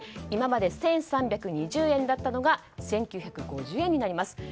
今まで１３２０円だったのが１９５０円になります。